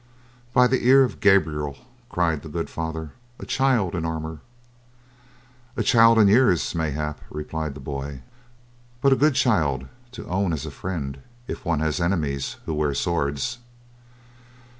"By the ear of Gabriel," cried the good father, "a child in armor!" "A child in years, mayhap," replied the boy, "but a good child to own as a friend, if one has enemies who wear swords."